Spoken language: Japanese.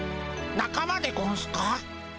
仲間でゴンスか？